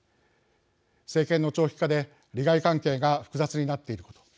政権の長期化で利害関係が複雑になっていること